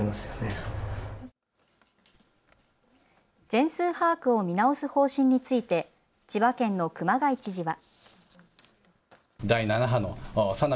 全数把握を見直す方針について千葉県の熊谷知事は。